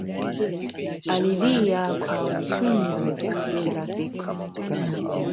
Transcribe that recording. Alilia kwa uchungu kila siku